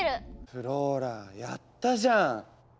フローラやったじゃん！